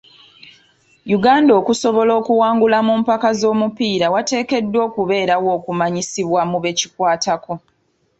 Uganda okusobola okuwangula mu mpaka z'omupiira wateekeddwa okubeerawo okumanyisibwa mu be kikwatako.